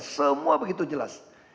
semua begitu jelas